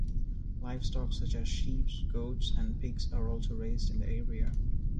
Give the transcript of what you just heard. Livestock such as sheep, goats and pigs are also raised in the area.